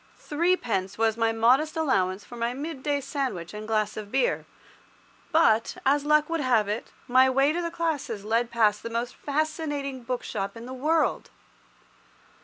Threepence was my modest allowance for my midday sandwich and glass of beer; but, as luck would have it, my way to the classes led past the most fascinating bookshop in the world.